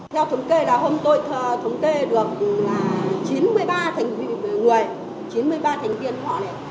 theo thống kê là hôm tôi thống kê được chín mươi ba thành viên người chín mươi ba thành viên họ này